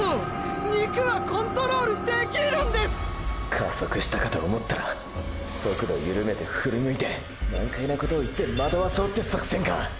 加速したかと思ったら速度ゆるめてふり向いて難解なことを言って惑わそうって作戦か！